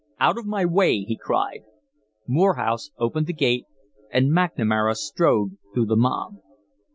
"Out of my way!" he cried. Morehouse opened the gate, and McNamara strode through the mob.